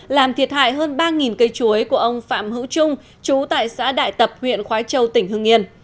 làm thiệt hại hơn ba cây chuối của ông phạm hữu trung chú tại xã đại tập huyện khói châu tỉnh hưng yên